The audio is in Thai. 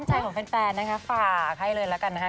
อ้อมใจของแฟนฝากให้เลยละกันนะคะ